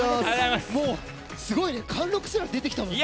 すごいね貫禄すら出てきたもんね。